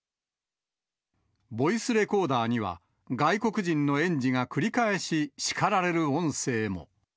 ボイスレコーダーには、外国人の園児が繰り返し叱られる音声も。